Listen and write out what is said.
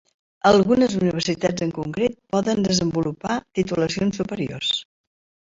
Algunes universitats en concret poden desenvolupar titulacions superiors.